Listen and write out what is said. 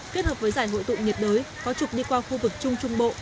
kết hợp với giải hội tụ nhiệt đới có trục đi qua khu vực trung trung bộ